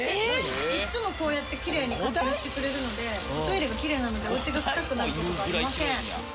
いつもこうやってキレイに勝手にしてくれるのでおトイレがキレイなのでおうちが臭くなる事がありません。